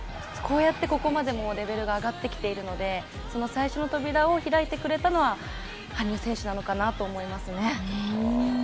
こうやってここまでレベルが上がってきているので、その最初の扉を開いてくれたのは羽生選手なのかなと思いますね。